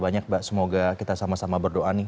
banyak mbak semoga kita sama sama berdoa nih